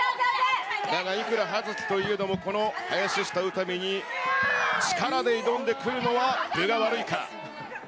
だがいくら葉月といえども、この林下詩美に力で挑んでくるのは分が悪いか？